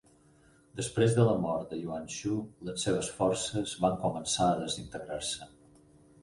Després de la mort de Yuan Shu, les seves forces van començar a desintegrar-se.